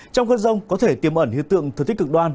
trong khuôn rông có thể tiêm ẩn hiệu tượng thực tích cực đoan